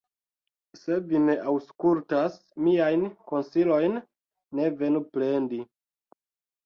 Se vi ne aŭskultas miajn konsilojn, ne venu plendi.